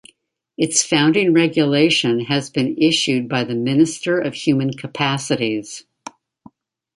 Its founding regulation has been issued by the Minister of Human Capacities.